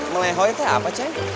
melehoi teh apa ceng